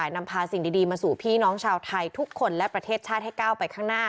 ๑๑ล้านกว่าชีวิต